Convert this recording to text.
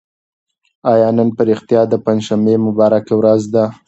آیا نن په رښتیا د پنجشنبې مبارکه ورځ ده؟